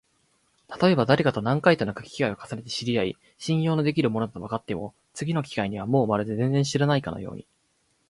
たとえばだれかと何回となく機会を重ねて知り合い、信用のできる者だとわかっても、次の機会にはもうまるで全然知らないかのように、